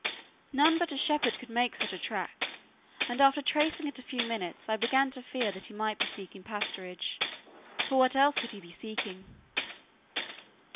None but a shepherd could make such a track, and after tracing it a few minutes I began to fear that he might be seeking pasturage; for what else could he be seeking?